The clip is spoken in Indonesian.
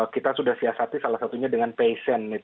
kita sudah siasati salah satunya dengan passion